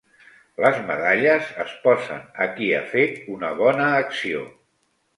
Les medalles es posen a qui ha fet una bona acció.